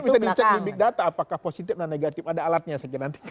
tapi bisa dicek di big data apakah positif dan negatif ada alatnya saya kira nanti